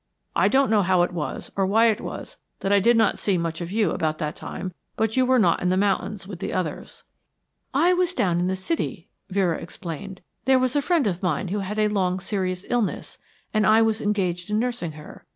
I don't know how it was or why it was that I did not see much of you about that time, but you were not in the mountains with the others." "I was down in the city," Vera explained. "There was a friend of mine who had had a long serious illness, and I was engaged in nursing her.